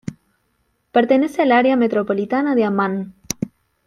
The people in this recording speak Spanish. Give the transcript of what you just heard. Pertenece al área metropolitana de Ammán.